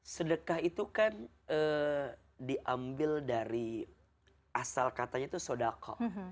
sedekah itu kan diambil dari asal katanya itu sodako